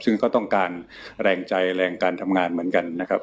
ซึ่งก็ต้องการแรงใจแรงการทำงานเหมือนกันนะครับ